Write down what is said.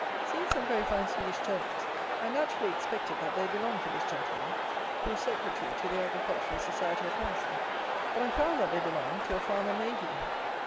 Seeing some very fine Swedish turnips, I naturally expected that they belonged to this gentleman, who is Secretary to the Agricultural Society of Hampshire; but I found that they belonged to a farmer Mayhew.